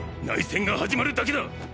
⁉内戦が始まるだけだ！！